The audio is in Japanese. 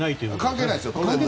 関係ないですよ。